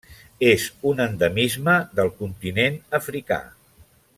És un endemisme del continent africà.